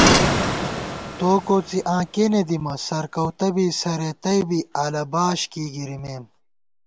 توکوڅی آں کېنےدِمہ سرکَؤتہ بی سرېتَئ بی، اَلہ باش کېئی گِرِمېم